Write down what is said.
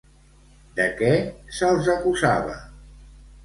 De què se'ls acusava?